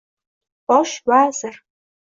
Bosh vazir